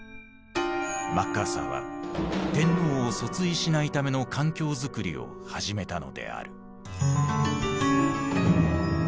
マッカーサーは天皇を訴追しないための環境づくりを始めたのである。